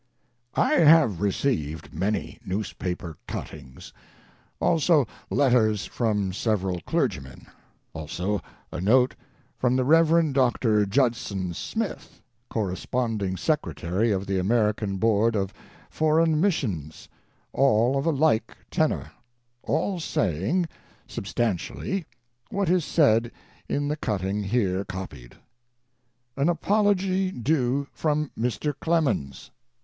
I HAVE received many newspaper cuttings; also letters from" several clergymen; also a note from the Kev. Dr. Judson Smith, Corresponding Secretary of the American Board of Foreign Mis sions — all of a like tenor; all saying, substantially, what is said in the cutting here copied : "AN APOLOGY DUE FROM MR. CLEMENS.